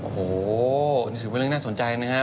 โอ้โหนี่ถือเป็นเรื่องน่าสนใจนะฮะ